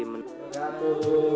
saya berdua dan saya berdaya